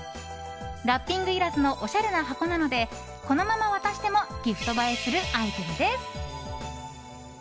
ラッピングいらずのおしゃれな箱なのでこのまま渡してもギフト映えするアイテムです。